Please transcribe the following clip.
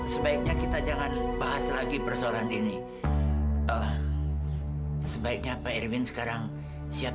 siapa yang kasih jaminan ya